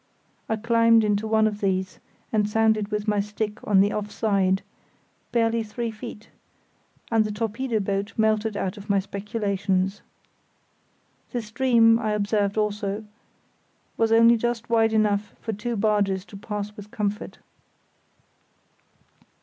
I climbed into one of these, and sounded with my stick on the off side—barely three feet; and the torpedo boat melted out of my speculations. The stream, I observed also, was only just wide enough for two barges to pass with comfort.